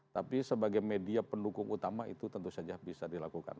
tapi sebagai media pendukung utama itu tentu saja bisa dilakukan